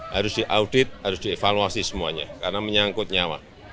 harus diaudit harus dievaluasi semuanya karena menyangkut nyawa